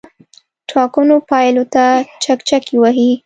ټاکنو پایلو ته چکچکې وهي.